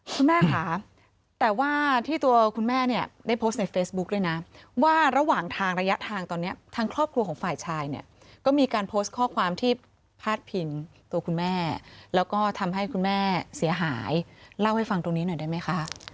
คุณแม่ค่ะแต่ว่าที่ตัวคุณแม่เนี่ยได้โพสต์ในเฟซบุ๊คด้วยนะว่าระหว่างทางระยะทางตอนนี้ทางครอบครัวของฝ่ายชายเนี่ยก็มีการโพสต์ข้อความที่พาดพิงตัวคุณแม่แล้วก็ทำให้คุณแม่เสียหายเล่าให้ฟังตรงนี้หน่อยได้ไหมคะ